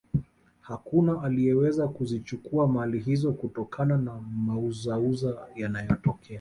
hakuna aliyeweza kuzichukua mali hizo kutokana na mauzauza yanayotokea